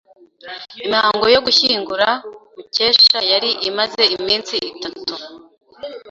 Imihango yo gushyingura Mukesha yari imaze iminsi itatu.